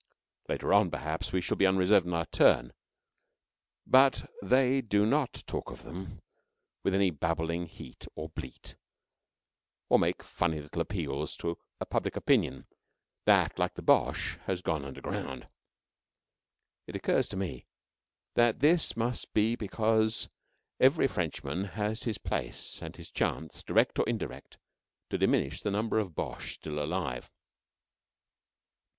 Later on, perhaps, we shall be unreserved in our turn. But they do not talk of them with any babbling heat or bleat or make funny little appeals to a "public opinion" that, like the Boche, has gone underground. It occurs to me that this must be because every Frenchman has his place and his chance, direct or indirect, to diminish the number of Boches still alive.